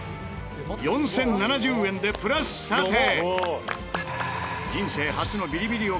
４０７０円でプラス査定。